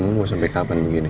kamu mau sampe kapan begini